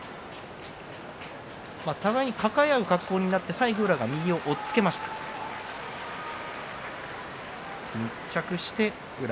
互いに抱え合うような格好になって最後、右を押っつけました宇良。